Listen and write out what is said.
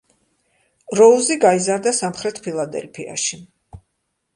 როუზი გაიზარდა სამხრეთ ფილადელფიაში.